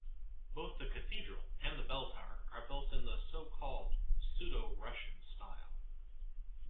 Both the cathedral and the belltower are built in the so-called pseudo-Russian style.